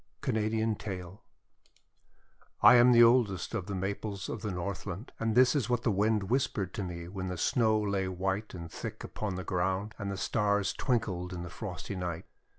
Canadian Tale I AM the oldest of the Maples of the Northland, and this is what the Wind whispered to me when the Snow lay white and thick upon the ground, and the Stars twinkled in the frosty night.